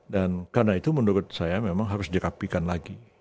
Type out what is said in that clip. dan karena itu menurut saya memang harus dirapikan lagi